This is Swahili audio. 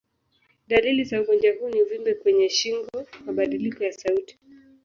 Dalili za ugonjwa huu ni uvimbe kwenye shingo, mabadiliko ya sauti.